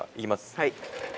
はい。